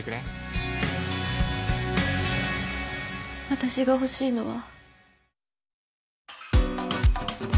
私が欲しいのは。